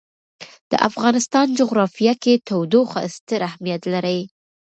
د افغانستان جغرافیه کې تودوخه ستر اهمیت لري.